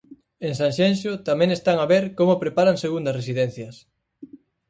En Sanxenxo tamén están a ver como preparan segundas residencias.